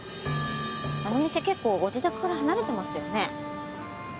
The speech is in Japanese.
あの店結構ご自宅から離れてますよね。